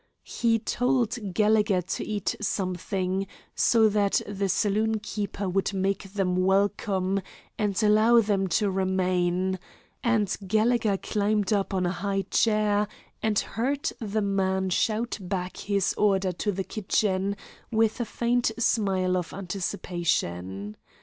He told Gallegher to eat something, so that the saloon keeper would make them welcome and allow them to remain, and Gallegher climbed up on a high chair, and heard the man shout back his order to the kitchen with a faint smile of anticipation.